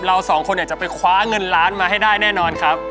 เราสองคนอยากจะไปคว้าเงินล้านมาให้ได้แน่นอนครับ